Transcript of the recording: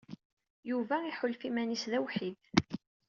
Yuba iḥulfa iman-is d awḥid.